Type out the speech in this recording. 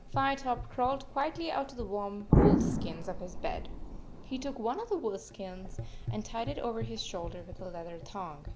Firetop crawled quietly out of the warm wolf skins of his bed. He took one of the wolf skins and tied it over his shoulder with a leather thong.